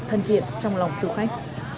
thân thiện trong lòng du khách